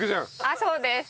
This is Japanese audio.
あっそうです。